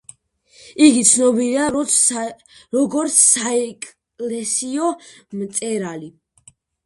იგი ცნობილია, როგორც საეკლესიო მწერალი.